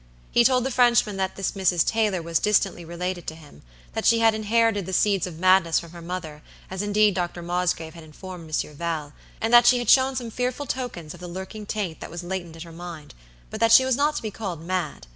He told the Frenchman that this Mrs. Taylor was distantly related to himthat she had inherited the seeds of madness from her mother, as indeed Dr. Mosgrave had informed Monsieur Val; and that she had shown some fearful tokens of the lurking taint that was latent in her mind; but that she was not to be called "mad."